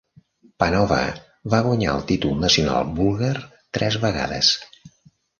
Panova va guanyar el títol nacional búlgar tres vegades.